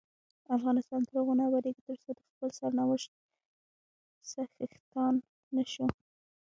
افغانستان تر هغو نه ابادیږي، ترڅو د خپل سرنوشت څښتنان نشو.